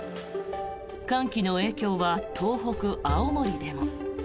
寒気の影響は東北・青森でも。